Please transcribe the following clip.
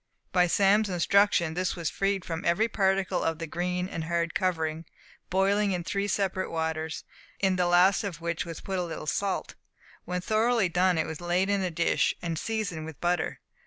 By Sam's instruction, this was freed from every particle of the green and hard covering, boiled in three separate waters, in the last of which was put a little salt. When thoroughly done, it was laid in a dish, and seasoned with butter.